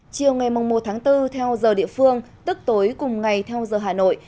chiều ngày một tháng bốn theo giờ địa phương tức tối cùng ngày theo giờ hà nội